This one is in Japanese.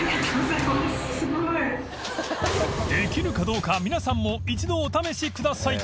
どうか皆さんも一度お試しください